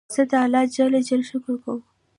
زه د الله جل جلاله شکر کوم.